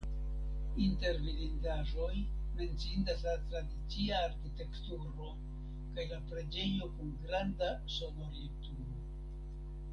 Inter vidindaĵoj menciindas la tradicia arkitekturo kaj la preĝejo kun granda sonorilturo.